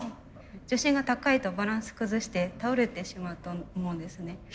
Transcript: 重心が高いとバランス崩して倒れてしまうと思うんですね。